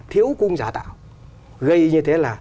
thiếu cung giá tạo gây như thế là